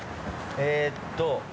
えっと。